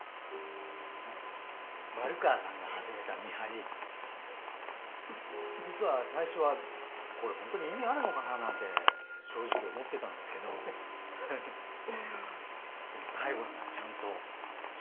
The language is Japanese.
丸川さんが始めた見張り実は最初は「これ本当に意味あるのかな」なんて正直思ってたんですけどでも最後にはちゃんと日置を見つけることができた。